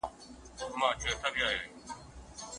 ولي امنیت په نړیواله کچه ارزښت لري؟